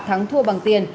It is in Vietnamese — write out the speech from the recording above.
thắng thua bằng tiền